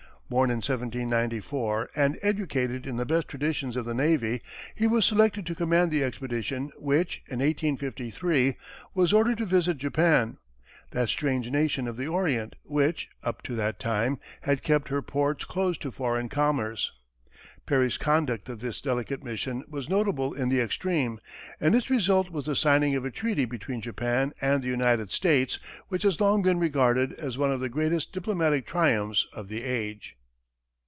Born in 1794, and educated in the best traditions of the navy, he was selected to command the expedition which, in 1853, was ordered to visit Japan, that strange nation of the Orient which, up to that time, had kept her ports closed to foreign commerce. Perry's conduct of this delicate mission was notable in the extreme, and its result was the signing of a treaty between Japan and the United States which has long been regarded as one of the greatest diplomatic triumphs of the age.